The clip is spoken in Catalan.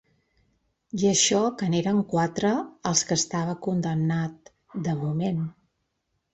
I això que n’eren quatre als que estava condemnat, de moment.